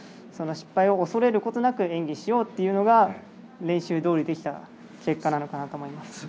失敗を恐れることなく演技しようということが練習どおりできた結果なのかなと思います。